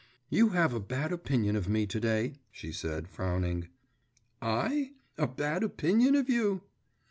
'You have a bad opinion of me to day,' she said, frowning. 'I? a bad opinion of you!